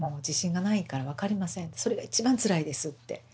それが一番つらいですって。